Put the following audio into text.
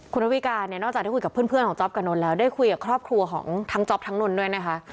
คุณระวิการเนี่ยนอกจากได้คุยกับเพื่อนของจ๊อปกับนนท์แล้วได้คุยกับครอบครัวของทั้งจ๊อปทั้งนนท์ด้วยนะคะ